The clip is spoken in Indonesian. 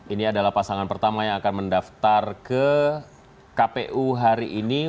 ini adalah pasangan pertama yang akan mendaftar ke kpu hari ini